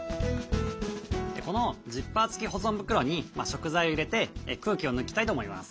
このジッパー付き保存袋に食材を入れて空気を抜きたいと思います。